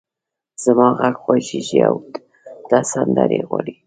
زما غږ خوږېږې او ته سندرې غواړې!